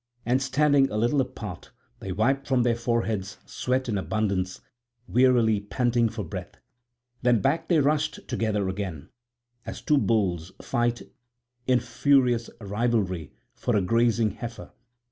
And standing a little apart they wiped from their foreheads sweat in abundance, wearily panting for breath. Then back they rushed together again, as two bulls fight in furious rivalry for a grazing heifer.